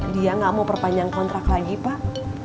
dia nggak mau perpanjang kontrak lagi pak